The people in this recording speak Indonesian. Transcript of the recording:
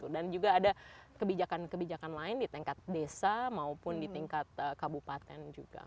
dan juga ada kebijakan kebijakan lain di tingkat desa maupun di tingkat kabupaten juga